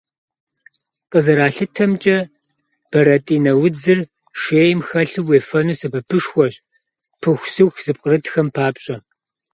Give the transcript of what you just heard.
Къызэралъытэмкӏэ, бэрэтӏинэ удзыр шейм хэлъу уефэну сэбэпышхуэщ пыхусыху зыпкърытхэм папщӏэ.